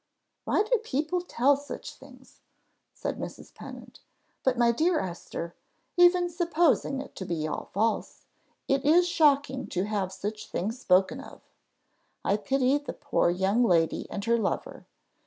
"Why do people tell such things?" said Mrs. Pennant. "But, my dear Esther, even supposing it to be all false, it is shocking to have such things spoken of. I pity the poor young lady and her lover.